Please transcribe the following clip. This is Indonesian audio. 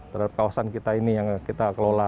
terhadap kawasan kita ini yang kita kelola